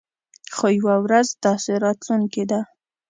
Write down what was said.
خو يوه ورځ داسې راتلونکې ده.